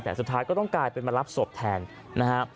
แต่สุดท้ายก็ต้องกลายเป็นมารับศพแทนนะฮะ